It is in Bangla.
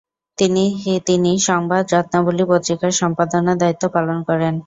তিনি তিনি সংবাদ রত্নাবলী পত্রিকার সম্পাদনার দায়িত্ব পালন করেন।